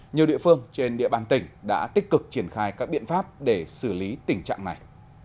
nhiều địa phương trên địa bàn tỉnh đã tích cực triển khai các biện pháp để xử lý tình trạng này